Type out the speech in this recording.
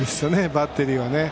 バッテリーは。